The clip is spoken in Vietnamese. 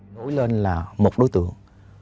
nối lên là một đối tượng